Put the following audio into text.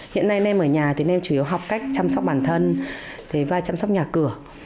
hiện nay nem ở nhà thì nem chủ yếu học cách chăm sóc bản thân và chăm sóc nhà cửa